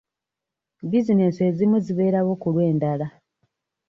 Businensi ezimu zibeerawo ku lw'endala.